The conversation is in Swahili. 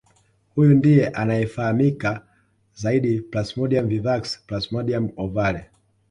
Huyu ndiye anayefahamika zaidi Plasmodium vivax Plasmodium ovale